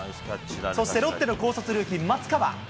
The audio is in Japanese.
そして、ロッテの高卒ルーキー、松川。